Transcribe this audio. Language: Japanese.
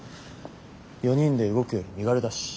４人で動くより身軽だし。